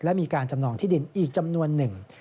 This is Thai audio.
และมีการจำนองที่ดินอีกจำนวนหนึ่ง